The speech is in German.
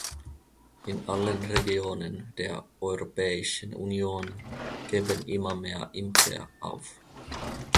In allen Regionen der Europäischen Union geben immer mehr Imker auf.